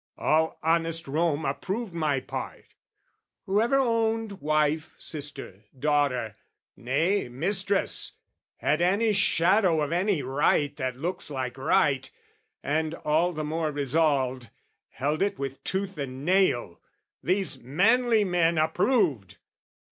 All honest Rome approved my part; Whoever owned wife, sister, daughter, nay, Mistress, had any shadow of any right That looks like right, and, all the more resolved, Held it with tooth and nail, these manly men Approved!